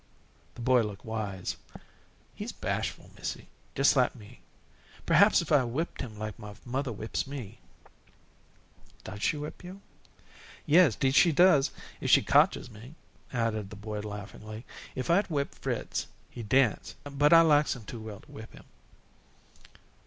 The boy looked wise. "He's bashful, missy, jes' like me. Perhaps, if I whipped him like my mother whips me " "Does she whip you?" "Yes, 'deed she does if she kotches me," added the boy laughingly. "If I'd whip Fritz, he'd dance, but I likes him too well to whip him."